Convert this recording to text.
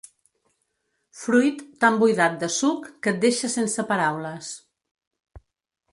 Fruit tan buidat de suc que et deixa sense paraules.